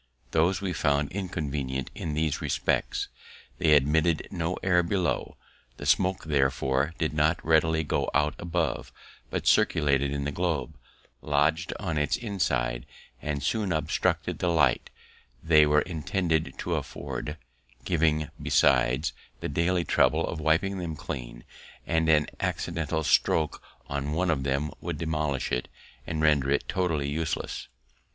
Those we found inconvenient in these respects: they admitted no air below; the smoke, therefore, did not readily go out above, but circulated in the globe, lodg'd on its inside, and soon obstructed the light they were intended to afford; giving, besides, the daily trouble of wiping them clean; and an accidental stroke on one of them would demolish it, and render it totally useless.